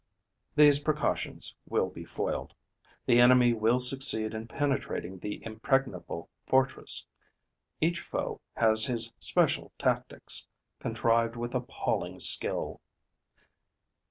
These precautions will be foiled. The enemy will succeed in penetrating the impregnable fortress; each foe has his special tactics, contrived with appalling skill.